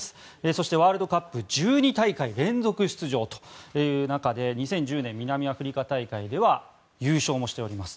そしてワールドカップ１２大会連続出場という中で２０１０年南アフリカ大会では優勝もしております。